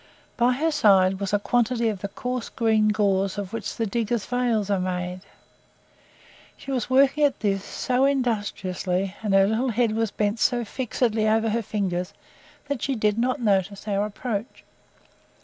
By her side was a quantity of the coarse green gauze of which the diggers' veils are made. She was working at this so industriously, and her little head was bent so fixedly over her fingers that she did not notice our approach.